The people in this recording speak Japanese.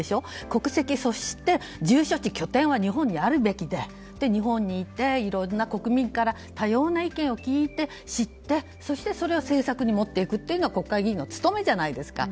国籍、そして住居地は日本にあるべきで、日本にいていろんな国民から多様な意見を聞いて知って、それを政策に持っていくというのが国会議員の務めじゃないですか。